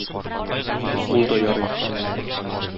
Ул да ярый.